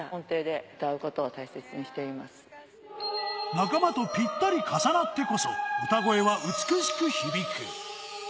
仲間とぴったり重なってこそ歌声は美しく響く。